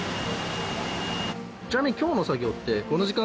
ちなみに今日の作業ってそうですね。